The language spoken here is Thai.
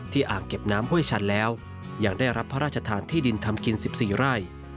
อ่างเก็บน้ำห้วยชันแล้วยังได้รับพระราชทานที่ดินทำกิน๑๔ไร่